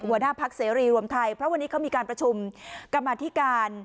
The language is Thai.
หัวหน้าพักเสรีรวมไทยเพราะวันนี้เขามีการประชุมกรรมาธิการ